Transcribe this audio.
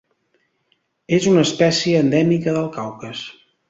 És una espècie endèmica del Caucas.